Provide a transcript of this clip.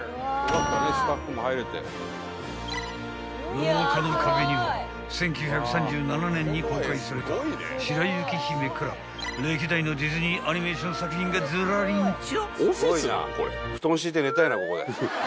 ［廊下の壁には１９３７年に公開された『白雪姫』から歴代のディズニー・アニメーション作品がずらりんちょ］